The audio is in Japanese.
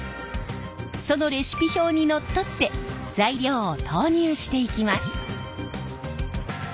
そのレシピ表にのっとって材料を投入していきます。